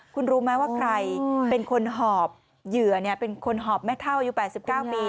คุณรู้ไหมว่าใครเป็นคนหอบเหยื่อเป็นคนหอบแม่เท่าอายุ๘๙ปี